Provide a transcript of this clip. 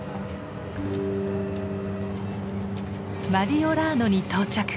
マディオラーノに到着。